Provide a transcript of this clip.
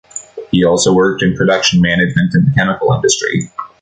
He also worked in production management in the chemical industry.